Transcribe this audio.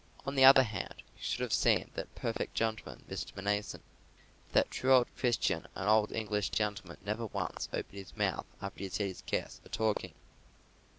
On the other hand, you should have seen that perfect gentleman, Mr. Mnason. For that true old Christian and old English gentleman never once opened his mouth after he had set his guests a talking.